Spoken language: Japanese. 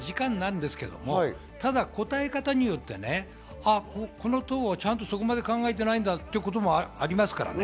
もちろん限られた時間なんですけれども答え方によって、この党はちゃんとそこまで考えてないんだっていうこともありますからね。